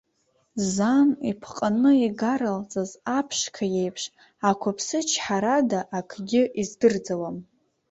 Зан ипҟаны игаралҵаз аԥшқа иеиԥш, ақәԥсычҳарада акгьы издырӡауам.